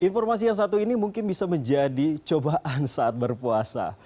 informasi yang satu ini mungkin bisa menjadi cobaan saat berpuasa